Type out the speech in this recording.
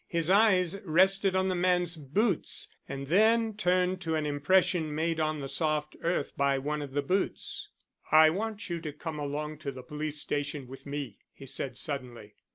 His eyes rested on the man's boots, and then turned to an impression made on the soft earth by one of the boots. "I want you to come along to the police station with me," he said suddenly.